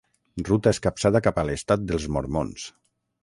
Ruta escapçada cap a l'estat dels mormons.